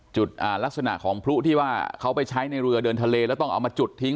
ลักษณะของพลุที่ว่าเขาไปใช้ในเรือเดินทะเลแล้วต้องเอามาจุดทิ้ง